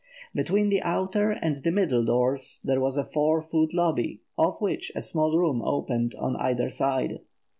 Between the outer and the middle doors there was a four foot lobby, off which a small room opened on either side.